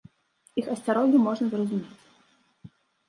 Іх асцярогі можна зразумець.